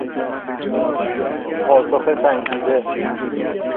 پاسخ سنجیده